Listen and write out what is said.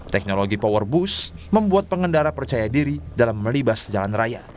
teknologi power boost membuat pengendara percaya diri dalam melibas jalan raya